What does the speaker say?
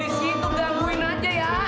di situ gangguin aja ya